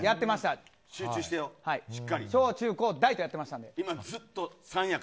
小中高大とやってましたんで。